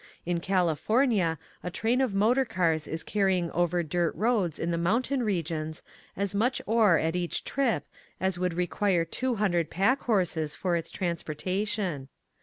In California a train of motor cars is carrying over dirt roads in the mountain regions as much ore at each trip as would require 200 pack horses for its transpor tation.